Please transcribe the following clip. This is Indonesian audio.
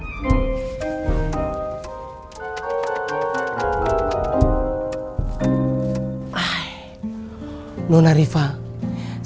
sejam saja betta tidak memandang